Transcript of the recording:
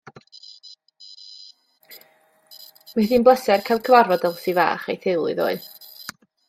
Mi oedd hi'n bleser cael cyfarfod Elsi fach a'i theulu ddoe.